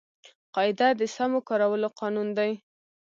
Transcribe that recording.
قاعده د سمو کارولو قانون دئ.